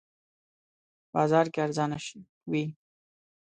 بازار کې ارزانه وی